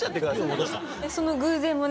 その偶然もね